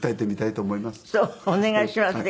お願いしますね。